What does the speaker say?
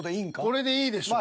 これでいいでしょう。